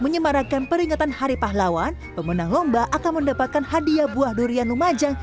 menyemarakan peringatan hari pahlawan pemenang lomba akan mendapatkan hadiah buah durian lumajang